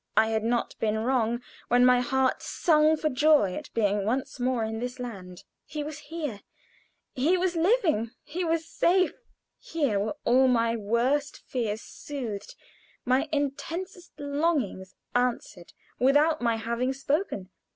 I had not been wrong when my heart sung for joy at being once more in this land. He was here he was living he was safe! Here were all my worst fears soothed my intensest longings answered without my having spoken.